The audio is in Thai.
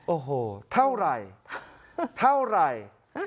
โอ้โหเท่าไหร่เท่าไหร่